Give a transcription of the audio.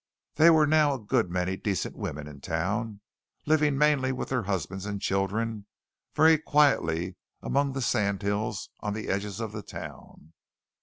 There were now a good many decent women in town, living mainly with their husbands and children very quietly among the sandhills on the edges of the town.